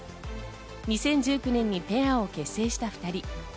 ２０１９年にペアを結成した２人。